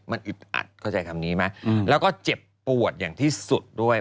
มันอึดอัดเข้าใจคำนี้ไหมแล้วก็เจ็บปวดอย่างที่สุดด้วย